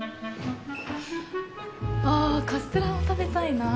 あ、カステラも食べたいなあ。